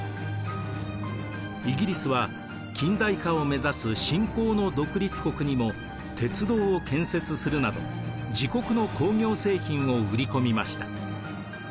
イギリスは近代化を目指す新興の独立国にも鉄道を建設するなど自国の工業製品を売り込みました。